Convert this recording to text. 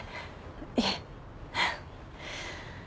いえ。